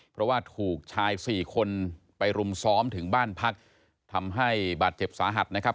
เพราะว่าถูกชายสี่คนไปรุมซ้อมถึงบ้านพักทำให้บาดเจ็บสาหัสนะครับ